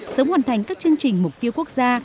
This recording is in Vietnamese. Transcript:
sớm hoàn thành các chương trình mục tiêu quốc gia